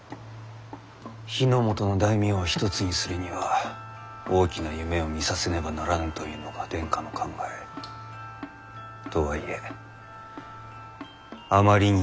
日ノ本の大名を一つにするには大きな夢を見させねばならぬというのが殿下の考え。とはいえあまりに用意が足らぬ。